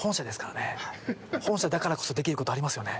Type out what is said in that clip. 本社だからこそできることありますよね？